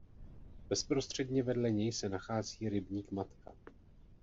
Bezprostředně vedle něj se nachází rybník Matka.